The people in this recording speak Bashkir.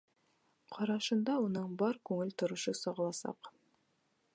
Ҡарашында уның бар күңел торошо сағыласаҡ.